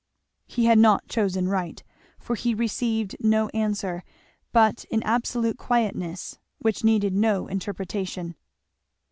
He had not chosen right, for he received no answer but an absolute quietness which needed no interpretation.